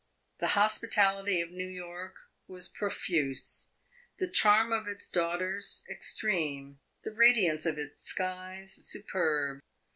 The hospitality of New York was profuse; the charm of its daughters extreme; the radiance of its skies superb.